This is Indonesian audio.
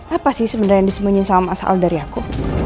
apa sih sebenernya yang disembunyi sama mas al dari aku